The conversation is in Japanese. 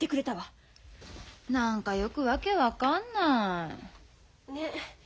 何かよく訳分かんない。ね。